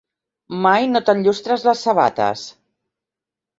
Mai no t'enllustres les sabates.